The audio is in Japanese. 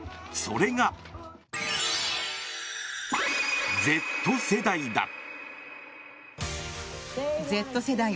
それが、Ｚ世代だ。